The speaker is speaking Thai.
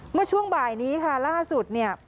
เมื่อช่วงบ่ายนี้ค่ะล่าสุดเนี่ย